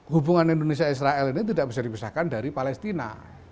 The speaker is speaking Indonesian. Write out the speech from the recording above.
hubungan indonesia israel ini tidak bisa dipisahkan dari palestina